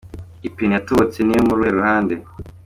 Ipine yatobotse niyo muruhe ruhande ?.